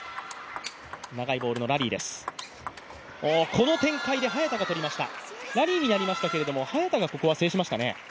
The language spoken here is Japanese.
この展開で早田が取りました、ラリーになりましたけど早田がここは制しましたね。